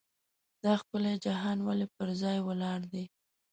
دا ښکلی جهان ولې پر ځای ولاړ دی.